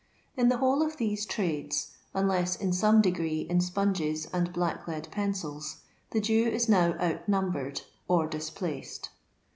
In the whole of these trades, unless in some degree in sponges and blacklead pencils, the Jew is now out numbered or dis placed.